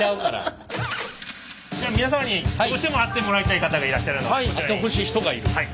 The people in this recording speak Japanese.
じゃあ皆様にどうしても会ってもらいたい方がいらっしゃるのでこちらに。